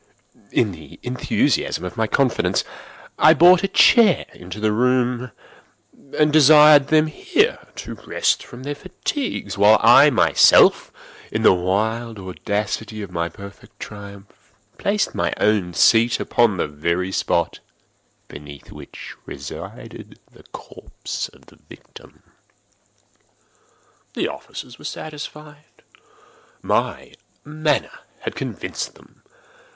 In the enthusiasm of my confidence, I brought chairs into the room, and desired them here to rest from their fatigues, while I myself, in the wild audacity of my perfect triumph, placed my own seat upon the very spot beneath which reposed the corpse of the victim. The officers were satisfied. My manner had convinced them.